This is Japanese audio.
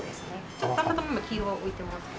ちょっとたまたま今黄色は置いてますけれど。